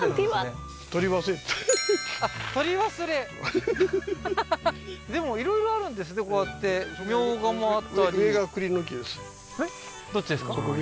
あっ採り忘れははははっでも色々あるんですねこうやってミョウガもあったり上が栗の木ですえっ？